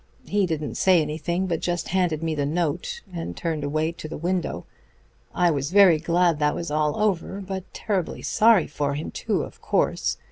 He didn't say anything, but just handed me the note, and turned away to the window. I was very glad that was all over, but terribly sorry for him too, of course.